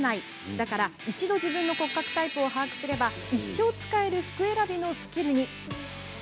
だから、一度自分の骨格タイプを把握すれば一生使える服選びのスキルに。